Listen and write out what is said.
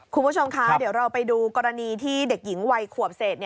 คุณผู้ชมคะเดี๋ยวเราไปดูกรณีที่เด็กหญิงวัยขวบเศษ